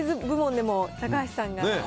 部門でも高橋さんが。